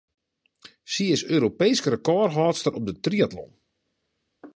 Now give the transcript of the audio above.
Sy is Europeesk rekôrhâldster op de triatlon.